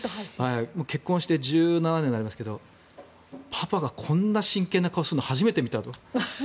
結婚して１７年になりますけどパパがこんな真剣な顔をするのを初めて見たと。